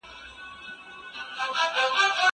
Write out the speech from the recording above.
زه اوس بازار ته ځم؟